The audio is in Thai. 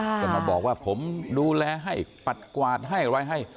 จะมาบอกว่าผมดูแลให้ปัดกวาดให้อะไรให้